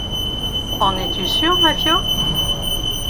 En es-tu sûr, Maffio?